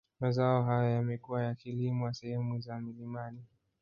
Mazao hayo yamekuwa yakilimwa sehemu za milimani